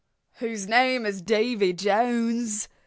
"Whose name is Davy Jones!"